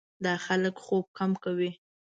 دا خلک خوب کم کوي.